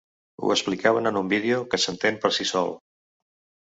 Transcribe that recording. Ho explicaven en un vídeo que s’entén per si sol.